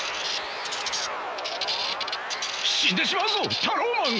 死んでしまうぞタローマン！